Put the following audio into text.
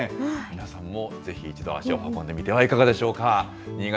皆さんもぜひ一度、足を運んでみてはいかがでしょうか。